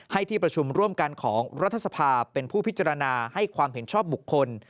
ที่ประชุมร่วมกันของรัฐสภาเป็นผู้พิจารณาให้ความเห็นชอบบุคคล